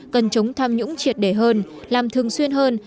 cần chống tham nhũng triệt đề hơn làm thường xuyên hơn